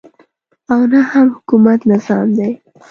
او نه هم حکومت نظام دی.